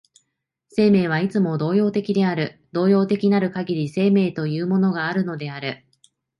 生命はいつも動揺的である、動揺的なるかぎり生命というものがあるのである。